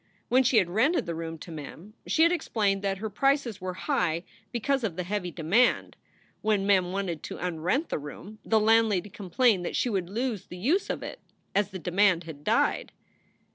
When she had rented the room to Mem she had explained that her prices were high because of the SOULS FOR SALE 97 heavy demand; when Mem wanted to unrent the room, the landlady complained that she would lose the use of it, as the demand had died.